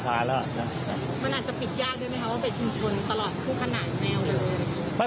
มันอาจจะปิดยากด้วยไหมคะว่าเป็นชุมชนตลอดคู่ขนาดแนวเลย